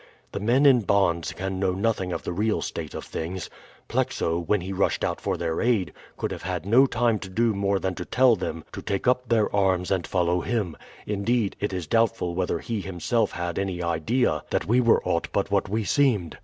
The men in bonds can know nothing of the real state of things. Plexo, when he rushed out for their aid, could have had no time to do more than to tell them to take up their arms and follow him; indeed, it is doubtful whether he himself had any idea that we were aught but what we seemed.